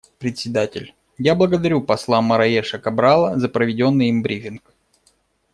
Председатель: Я благодарю посла Мораеша Кабрала за проведенный им брифинг.